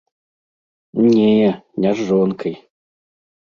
Не, не з жонкай.